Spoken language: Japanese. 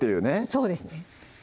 そうですね